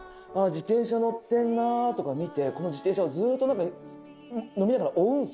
自転車乗ってんなとか見てこの自転車をずっと飲みながら。